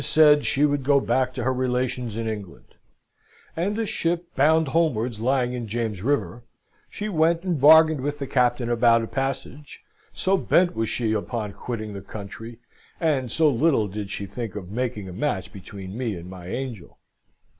said that she would go back to her relations in England: and a ship bound homewards lying in James River, she went and bargained with the captain about a passage, so bent was she upon quitting the country, and so little did she think of making a match between me and my angel.